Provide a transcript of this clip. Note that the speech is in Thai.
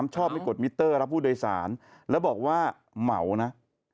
มิตเตอร์รับผู้โดยศาลแล้วบอกว่าเหมานะ